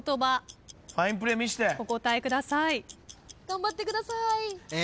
頑張ってください！